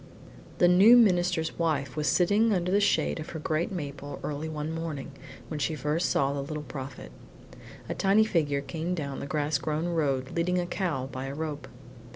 II The new minister's wife was sitting under the shade of her great maple early one morning, when she first saw the Little Prophet. A tiny figure came down the grass grown road leading a cow by a rope.